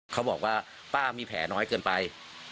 เขาบอกว่าป้ามีแผลน้อยเกินไป